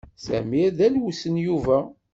Samir d alwes n Yuba.